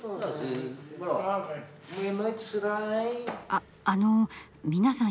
ああの皆さん